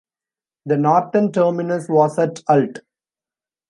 The northern terminus was at Alt.